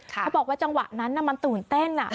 เขาบอกว่าจังหวะนั้นมันตื่นเต้น